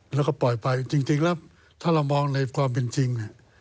แล้วก็ปล่อยไปจริงแล้วถ้าเรามองในความเป็นจริง